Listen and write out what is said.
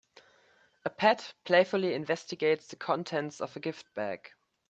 A pet playfully investigates the contents of a gift bag.